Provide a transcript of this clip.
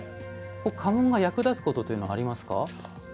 家紋が役立つことというのはありますか？